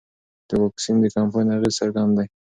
د واکسین د کمپاین اغېز څرګند دی.